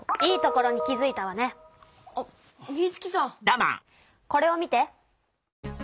これを見て。